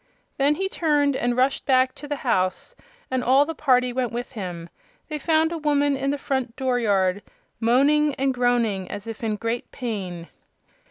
Then he turned and rushed back to the house, and all the party went with him. They found a woman in the front dooryard moaning and groaning as if in great pain.